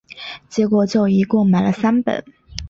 结果就一共买了三本